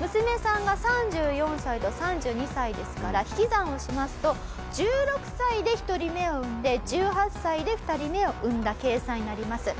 娘さんが３４歳と３２歳ですから引き算をしますと１６歳で１人目を産んで１８歳で２人目を産んだ計算になります。